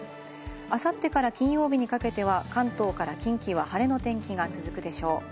あさってから金曜日にかけては、関東から近畿は晴れの天気が続くでしょう。